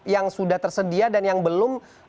yang sudah tersedia dan yang belum